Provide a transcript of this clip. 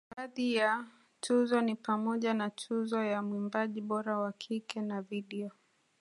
Baadhi ya tuzo ni pamoja na Tuzo ya Mwimbaji Bora wa Kike na Video